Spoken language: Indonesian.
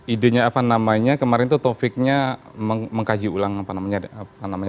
idenya apa namanya kemarin itu topiknya mengkaji ulang apa namanya